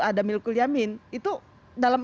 ada milkul yamin itu dalam